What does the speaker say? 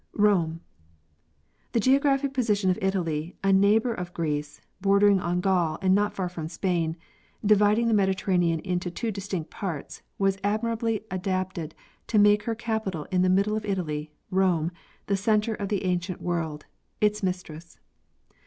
Rome. The geographic position of Italy, a neighbor of Greece, border ing on Gaul and not far from Spain, dividing the Mediterranean into two distinct parts, was admirably adapted to make her capital in the middle of Italy—Rome—the center of the ancient world, its mistress.